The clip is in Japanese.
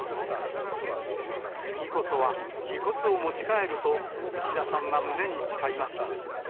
次こそは遺骨を持ち帰ると、吉田さんは胸に誓いました。